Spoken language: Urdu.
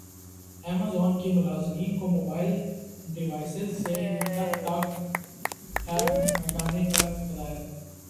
ایمازون کی ملازمین کو موبائل ڈیوائسز سے ٹک ٹاک ایپ ہٹانے کی ہدایت